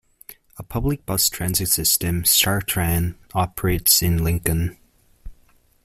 A public bus transit system, StarTran, operates in Lincoln.